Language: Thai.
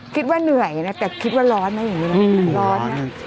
คิดว่าเหนื่อยแต่คิดว่าร้อนนะอย่างนี้